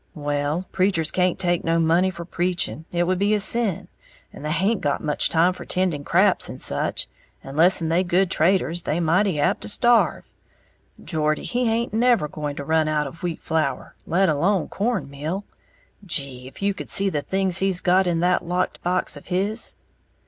"Well, preachers can't take no money for preaching it would be a sin and they haint got much time for tending craps and such, and less'n they good traders they mighty apt to starve. Geordie he haint never going to run out of wheat flour, let alone corn meal. Gee! if you could see the things he's got in that locked box of his!"